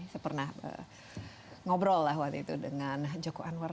saya pernah ngobrol lah waktu itu dengan joko anwar